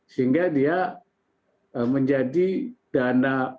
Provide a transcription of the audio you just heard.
sehingga dia menjadi dana